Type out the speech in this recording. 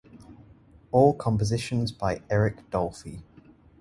All compositions by Eric Dolphy.